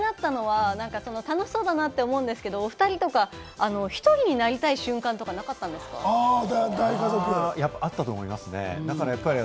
気になったのは楽しそうだなと思うんですけれども、おふたりとか１人になりたい瞬間とかなかあったと思いますね。